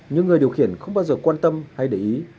nhưng người điều khiển không bao giờ quan tâm hay để ý